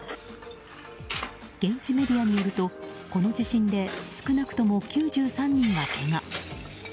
現地メディアによるとこの地震で少なくとも９３人がけが。